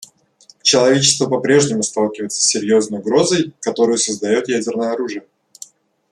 Человечество по-прежнему сталкивается с серьезной угрозой, которую создает ядерное оружие.